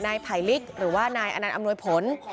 ไผลลิกหรือว่านายอนันตอำนวยผล